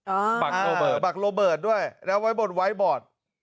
อ๋ออ่าอ๋อบักโรเบิร์ตด้วยแล้วไว้บนไวท์บอร์ด